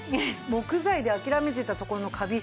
木材で諦めてた所のカビ